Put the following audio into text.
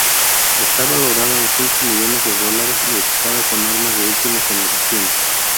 Está valorada en cinco millones de dólares y equipada con armas de última generación.